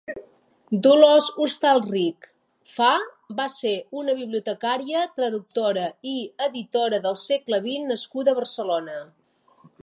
Dolors Hostalrich Fa va ser una bibliotecària, traductora i editora del segle vint nascuda a Barcelona.